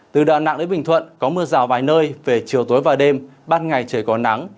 từ đà nẵng đến bình thuận có mưa rào vài nơi về chiều tối và đêm ban ngày trời có nắng